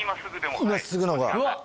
今すぐの方が。